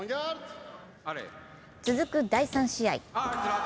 続く第３試合。